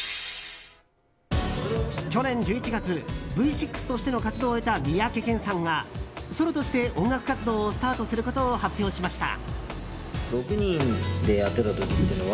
去年１１月、Ｖ６としての活動を終えた三宅健さんがソロとして音楽活動をスタートすることを発表しました。